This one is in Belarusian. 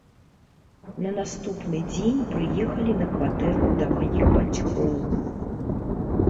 На наступны дзень прыехалі на кватэру да маіх бацькоў.